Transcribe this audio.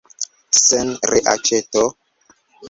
Sen reaĉeto?